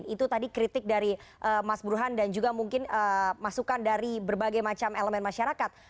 itu tadi kritik dari mas burhan dan juga mungkin masukan dari berbagai macam elemen masyarakat